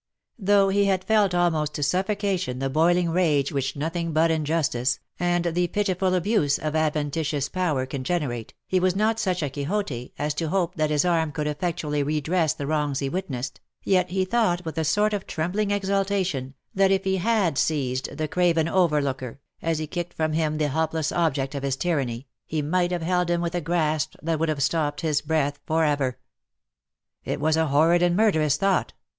Though he had felt almost to suffocation the boiling rage which nothing but injustice, and the pitiful abuse of adventitious power can generate, he was not such a Quixote as to hope that his arm could effectually redress the wrongs he witnessed, yet he thought with a sort of trembling exulta tion, that if he had seized the craven overlooker, as he kicked from him the helpless object of his tyranny, he might have held him with a grasp that would have stopped his breath for ever ! It was a horrid and a murderous thought